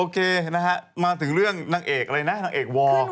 เคนะฮะมาถึงเรื่องนางเอกอะไรนะนางเอกวอร์